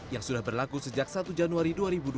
yang sudah berlaku sejak satu januari dua ribu dua puluh